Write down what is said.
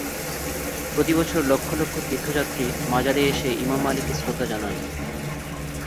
প্রতি বছর লক্ষ লক্ষ তীর্থযাত্রী মাজারে এসে ইমাম আলীকে শ্রদ্ধা জানান।